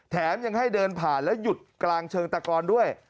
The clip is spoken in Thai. แถมยังให้เดินผ่านแล้วหยุดกลางเชิงตะกอนด้วย